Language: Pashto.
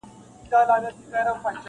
• لاري بندي وې له واورو او له خټو -